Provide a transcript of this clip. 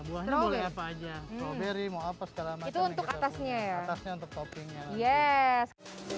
buahnya boleh apa aja roberi mau apa sekarang itu untuk atasnya atasnya untuk toppingnya yes